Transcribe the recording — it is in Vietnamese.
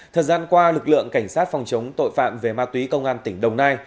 thời gian qua lực lượng cảnh sát phòng chống tội phạm về ma túy công an tỉnh đồng nai